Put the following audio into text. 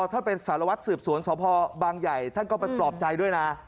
ท่านเป็นสารวัตรสืบสวนสพบางใหญ่ท่านก็ไปปลอบใจด้วยนะ